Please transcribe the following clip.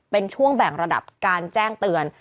เป็นช่วงแบ่งระดับการแจ้งเตือน